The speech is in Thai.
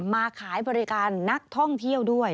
มาขายบริการนักท่องเที่ยวด้วย